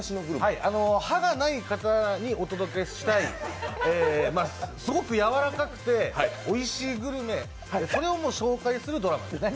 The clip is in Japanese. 歯がない方にお届けしたい、すごくやわらかくて、おいしいグルメを紹介するドラマです。